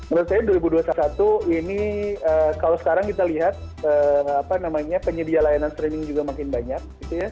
menurut saya dua ribu dua puluh satu ini kalau sekarang kita lihat penyedia layanan streaming juga makin banyak